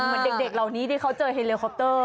เหมือนเด็กเหล่านี้ที่เขาเจอเฮเลคอปเตอร์